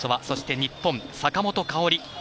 そして日本、坂本花織